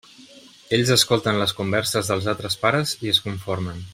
Ells escolten les converses dels altres pares i es conformen.